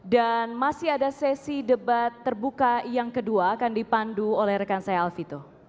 dan masih ada sesi debat terbuka yang kedua akan dipandu oleh rekan saya alfito